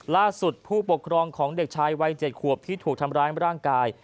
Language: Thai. ผู้ปกครองของเด็กชายวัย๗ขวบที่ถูกทำร้ายร่างกาย